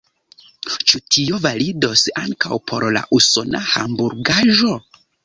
Ĉu tio validos ankaŭ por la usona hamburgaĵo?